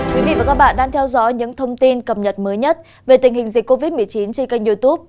các bạn đang theo dõi những thông tin cập nhật mới nhất về tình hình dịch covid một mươi chín trên kênh youtube